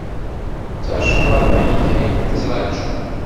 D tacḍaṭ-ik ay nettraǧu.